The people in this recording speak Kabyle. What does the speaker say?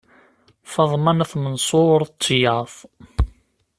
Faḍma n At Mensur d tiyaḍ.